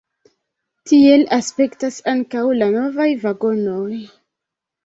Tiel aspektas ankaŭ la novaj vagonoj.